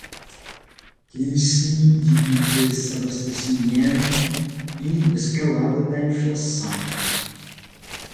Crise de desabastecimento e escalada da inflação